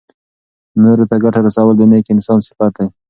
نورو ته ګټه رسول د نېک انسان صفت دی.